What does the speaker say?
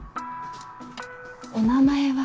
お名前は。